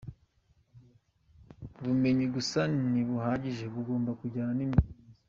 Agira ati “Ubumenyi gusa ntibuhagije bugomba kujyana n’imico myiza.